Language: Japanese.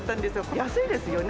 安いですよね。